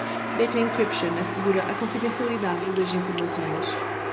Data Encryption assegura a confidencialidade das informações.